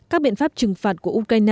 các biện pháp trừng phạt của ukraine